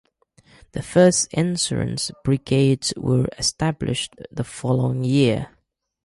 The first insurance brigades were established the following year.